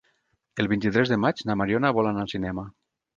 El vint-i-tres de maig na Mariona vol anar al cinema.